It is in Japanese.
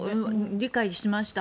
理解しました。